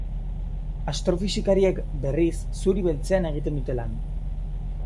Astrofisikariek, berriz, zuri beltzean egiten dute lan.